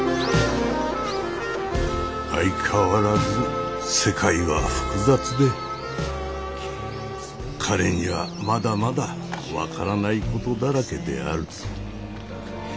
相変わらず世界は複雑で彼にはまだまだ分からないことだらけである。